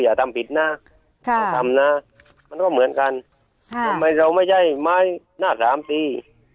อย่าทำผิดนะอย่าทำนะมันก็เหมือนกันทำไมเราไม่ใช่ไม้หน้าสามตี